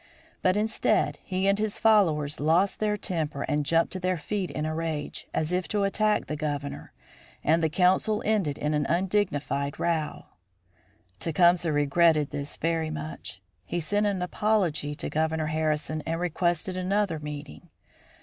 But instead he and his followers lost their temper and jumped to their feet in a rage, as if to attack the Governor. And the council ended in an undignified row. Tecumseh regretted this very much. He sent an apology to Governor Harrison and requested another meeting.